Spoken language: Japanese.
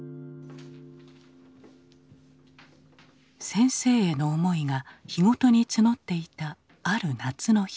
先生への思いが日ごとに募っていたある夏の日。